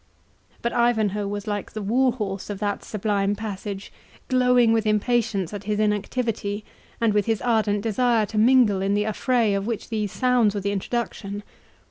But Ivanhoe was like the war horse of that sublime passage, glowing with impatience at his inactivity, and with his ardent desire to mingle in the affray of which these sounds were the introduction.